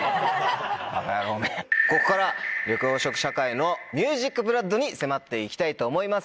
ここからは緑黄色社会のＭＵＳＩＣＢＬＯＯＤに迫って行きたいと思います。